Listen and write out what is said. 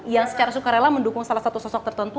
yang secara sukarela mendukung salah satu sosok tertentu